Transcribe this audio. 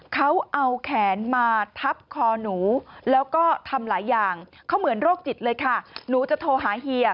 เขาเอาแขนมาทับคอหนูแล้วก็ทำหลายอย่างเขาเหมือนโรคจิตเลยค่ะหนูจะโทรหาเฮีย